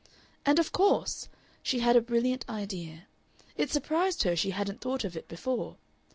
And of course! She had a brilliant idea. It surprised her she hadn't thought of it before!